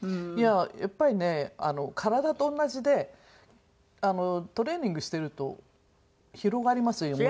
やっぱりね体と同じでトレーニングしてると広がりますよね